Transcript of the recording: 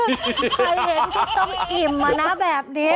ใครเห็นที่ต้องอิ่มอ่ะนะแบบนี้